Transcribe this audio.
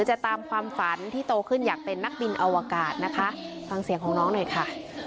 จะตามความฝันที่โตขึ้นอยากเป็นนักบินอวกาศนะคะฟังเสียงของน้องหน่อยค่ะ